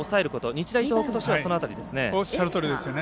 日大東北としてはその辺りですよね。